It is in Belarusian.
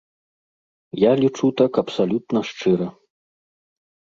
Я лічу так абсалютна шчыра.